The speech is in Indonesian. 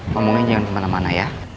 ngomongnya jangan kemana mana ya